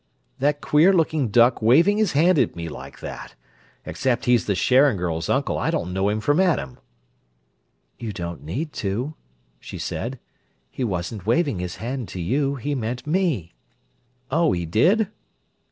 "That queer looking duck waving his hand at me like that. Except he's the Sharon girls' uncle I don't know him from Adam." "You don't need to," she said. "He wasn't waving his hand to you: he meant me." "Oh, he did?"